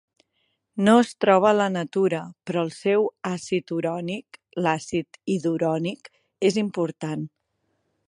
No es troba a la natura, però el seu àcid urònic, l'acid idurònic, és important.